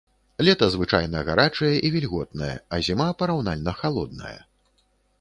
Лета звычайна гарачае і вільготнае, а зіма параўнальна халодная.